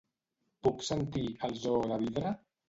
Puc sentir "El zoo de vidre"?